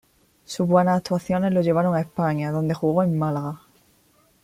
Sus buenas actuaciones lo llevaron a España, donde jugó en Málaga.